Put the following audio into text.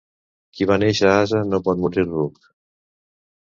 Qui va néixer ase no pot morir ruc.